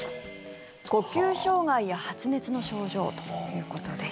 呼吸障害や発熱の症状ということです。